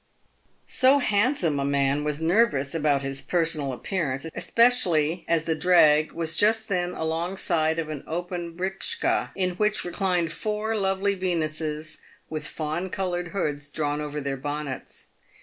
So handsome a man was nervous about his personal appearance, especially as the drag was just then alongside of an open britschka, in which reclined four lovely Venuses with fawn coloured hoods drawn over their bonnets.